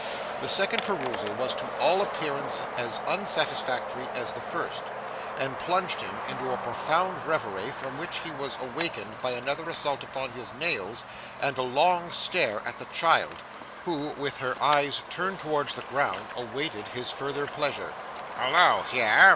The second perusal was to all appearance as unsatisfactory as the first, and plunged him into a profound reverie from which he awakened to another assault upon his nails and a long stare at the child, who with her eyes turned towards the ground awaited his further pleasure. 'Halloa here!